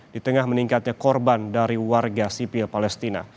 di tengah meningkatnya korban dari warga sipil palestina